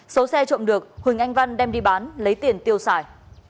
số xe trộm được huỳnh anh văn đem đi bán lấy tiền tiêu xài